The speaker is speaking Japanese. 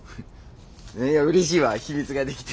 何やうれしいわ秘密ができて。